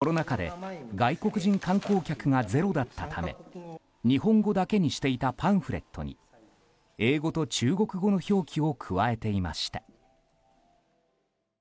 コロナ禍で外国人観光客がゼロだったため日本語だけにしていたパンフレットに英語と中国語の表記を加えていました。